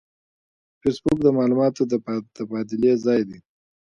فېسبوک د معلوماتو د تبادلې ځای دی